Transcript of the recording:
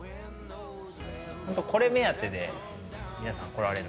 これ目当てで皆さん、来られる。